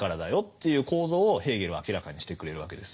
という構造をヘーゲルは明らかにしてくれるわけです。